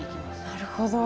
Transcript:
なるほど。